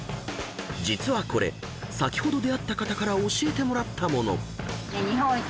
［実はこれ先ほど出会った方から教えてもらったもの］